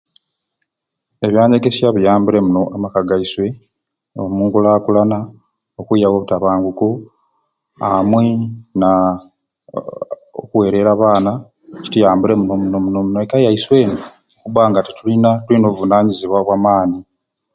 Ebyanyegesya biyambire muno amaka gwaiswe omu nkulaakulana, okwiawo obutabanguko amwe naa oku okuweerera abaana kituyambire muno muno muno eka yaiswe eni okubba nga tetulina tulina obuvunanyizibwa obwa maani